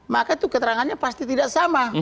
maka itu keterangannya pasti tidak sama